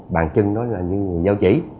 bàn chân nó như dao chỉ